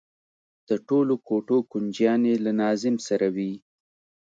د ټولو کوټو کونجيانې له ناظم سره وي.